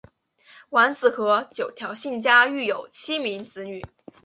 完子和九条幸家育有七名子女。